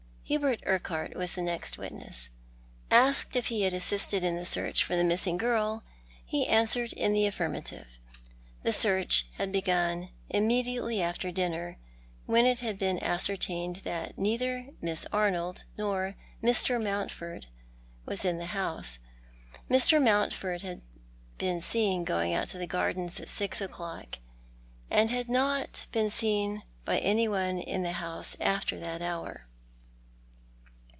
Hubert Urquhart was the next witness. Before the Coroner. 123 Asked if he had assisted iu the search for the missinc; girl, lie answered iu the affirmative. The search had beguu immediately after dinner, when it had been ascertained that neither ]Miss Arnold nor Mr. Mountford was in the house. Mr. ]\Iountford had been seen going out to the gardens at six o'clock, and had not been seen by any one in the house after that hour.